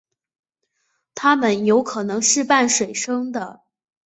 它们有可能是半水生的。